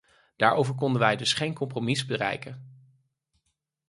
Daarover konden wij dus geen compromis bereiken.